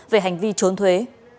về hành vi trốn thuế